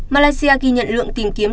malaysia ghi nhận lượng tìm kiếm